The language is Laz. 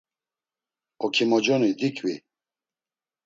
Okimoconi diqvi.